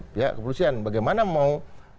pihak kepolisian bagaimana mau